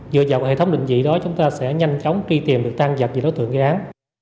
dựa vào hệ thống định dị đó chúng ta sẽ nhanh chóng truy tìm được tăng giật về đối tượng ghi án